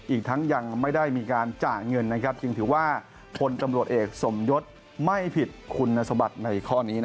อีกทั้งยังไม่ได้มีการจ่ายเงินจึงถือว่าพลตำรวจเอกสมยศไม่ผิดคุณสมบัติในข้อนี้